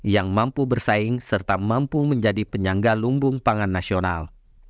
yang mampu bersaing serta mampu menjadi penyangga lumbung pangan nasional